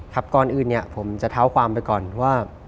ก่อนอื่นเนี่ยผมจะเท้าความไปก่อนว่า